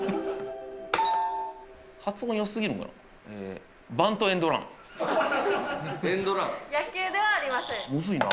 発音よすぎるんかな？